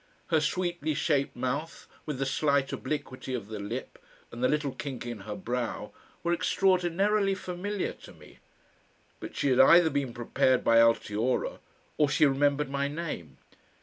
Her sweetly shaped mouth with the slight obliquity of the lip and the little kink in her brow were extraordinarily familiar to me. But she had either been prepared by Altiora or she remembered my name.